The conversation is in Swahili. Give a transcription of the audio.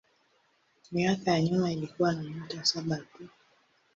Miaka ya nyuma ilikuwa na nyota saba tu.